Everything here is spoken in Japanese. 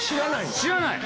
知らないの？